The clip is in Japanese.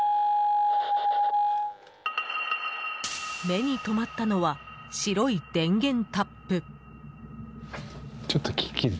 目に留まったのは白い電源タップ。